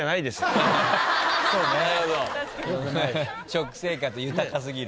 食生活豊かすぎる。